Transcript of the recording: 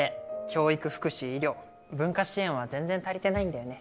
教育福祉医療文化支援は全然足りてないんだよね。